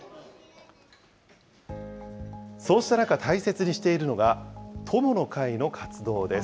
そうした中、大切にしているのが友の会の活動です。